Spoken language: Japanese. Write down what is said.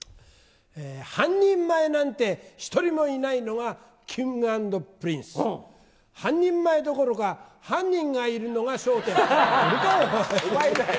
半人前なんて一人もいないのがＫｉｎｇ＆Ｐｒｉｎｃｅ、半人前どころか犯人がいるのが笑点メンバー。